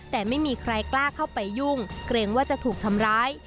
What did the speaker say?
แต่ไม่มีใครกล้าเข้าไปยุ่งเกรงว่าจะถูกทำร้าย